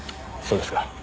そうですか。